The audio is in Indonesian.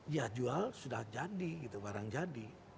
ya jual sudah jadi gitu barang jadi